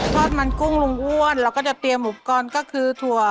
ทอดมันกุ้งลุงอ้วนเราก็จะเตรียมอุปกรณ์ก็คือถั่ว